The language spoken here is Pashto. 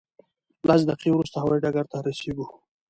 لس دقیقې وروسته هوایي ډګر ته رسېږو.